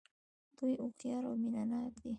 دوی هوښیار او مینه ناک دي.